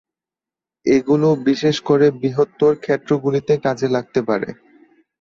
এগুলো বিশেষ করে বৃহত্তর ক্ষেত্রগুলিতে কাজে লাগতে পারে।